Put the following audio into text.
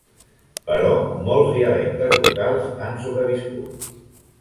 Però molts dialectes locals han sobreviscut.